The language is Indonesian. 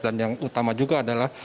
dan yang utama juga adalah